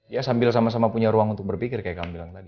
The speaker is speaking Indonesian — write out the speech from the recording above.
ya sambil sama sama punya ruang untuk berpikir kayak kamu bilang tadi